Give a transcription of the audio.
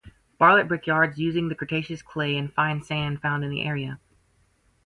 Barlett brickyards using the Cretaceous clay and fine sand found in the area.